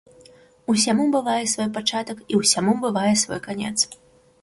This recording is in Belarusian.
Усяму бывае свой пачатак, і ўсяму бывае свой канец.